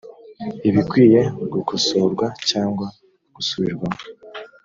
ibikwiye gukosorwa cyangwa gusubirwamo